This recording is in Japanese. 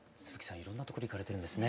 いろんなところへ行かれてるんですね。